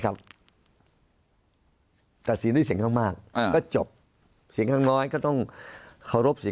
มุมนักวิจักรการมุมประชาชนทั่วไป